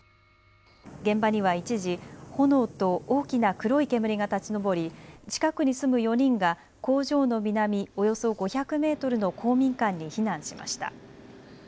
現場には一時炎と大きな黒い煙が立ち上り、近くに住む４人が工場の南およそ５００メートルの公民館に避難しました。